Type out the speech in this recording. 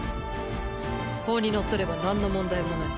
法にのっとればなんの問題もない。